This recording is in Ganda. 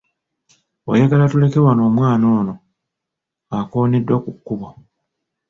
Oyogala tuleke wano omwana ono akooneddwa ku kkubo.